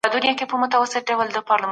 د ولسواکۍ ارزښتونه باید وپېژندل سي.